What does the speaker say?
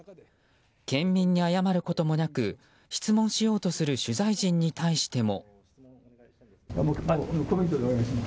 県民に謝ることもなく質問しようとする取材陣に対しても。